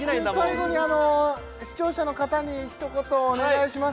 最後にあの視聴者の方に一言お願いします